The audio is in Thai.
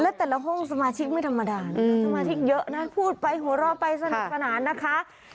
แล้วแต่ละห้องสมาชิกไม่ธรรมดานะสมาชิกเยอะนะพูดไปหัวเราะไปสนุกสนานนะคะ